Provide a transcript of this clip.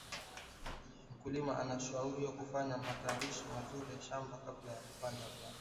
mkulima anashauriwa kufanya matayarisho mazuri ya shamba kabla ya kupanda viazi